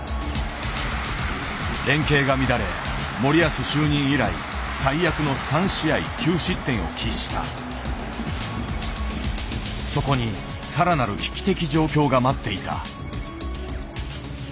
連携が乱れ森保就任以来最悪のそこに更なる危機的状況が待っていた。